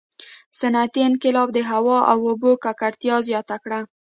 • صنعتي انقلاب د هوا او اوبو ککړتیا زیاته کړه.